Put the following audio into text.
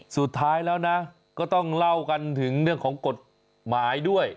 สุดท้ายแล้วนะก็ต้องเล่ากันถึงเรื่องของกฎหมายด้วย